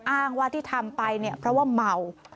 อ้างว่าที่ทำไปเนี่ยเพราะว่าเมา